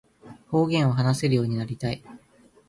方言を話せるようになりたい